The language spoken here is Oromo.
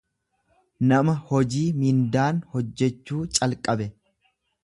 nama hojii mindaan hojjechuu calqabe.